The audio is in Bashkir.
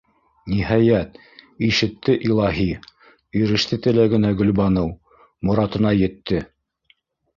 Ниһәйәт, ишетте илаһи, иреште теләгенә Гөлбаныу, моратына етте!